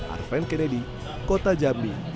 arven kennedy kota jambi